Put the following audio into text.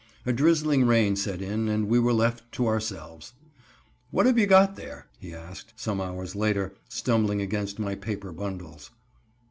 A drizzling rain set in and we were left to ourselves. "What have you got there?" he asked, some hours later, stumbling against my paper bundles.